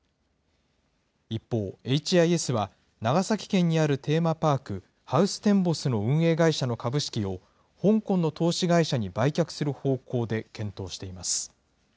一方、エイチ・アイ・エスは、長崎県にあるテーマパーク、ハウステンボスの運営会社の株式を香港の投資会社に売却する方向で検討